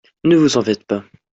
Ne vous en faites pas !